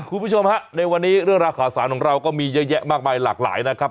คุณผู้ชมฮะในวันนี้เรื่องราวข่าวสารของเราก็มีเยอะแยะมากมายหลากหลายนะครับ